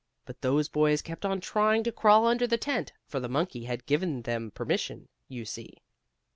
But those boys kept on trying to crawl under the tent, for the monkey had given them permission, you see.